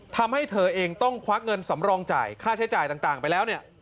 ทำให้เธอเองต้องควักเงินสำรองจ่ายค่าใช้จ่ายต่างไปแล้วเนี่ย